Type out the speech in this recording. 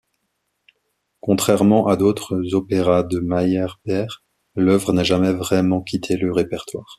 Contrairement à d’autres opéras de Meyerbeer, l’œuvre n’a jamais vraiment quitté le répertoire.